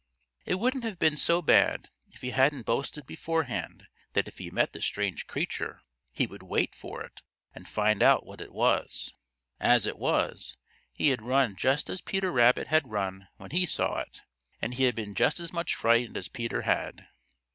It wouldn't have been so bad if he hadn't boasted beforehand that if he met the strange creature he would wait for it and find out what it was. As it was, he had run just as Peter Rabbit had run when he saw it, and he had been just as much frightened as Peter had.